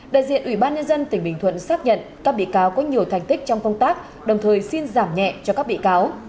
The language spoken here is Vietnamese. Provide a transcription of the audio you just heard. đại diện ubnd tỉnh bình thuận xác nhận các bị cáo có nhiều thành tích trong công tác đồng thời xin giảm nhẹ cho các bị cáo